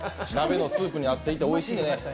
鍋のスープに合っていておいしい。